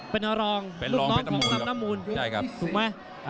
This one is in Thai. เป็นรองเป็นลูกน้อยของลำน้ำมูลถูกไหม